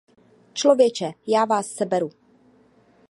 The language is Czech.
Člověče, já vás seberu!